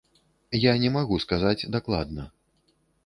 Я не магу сказаць дакладна.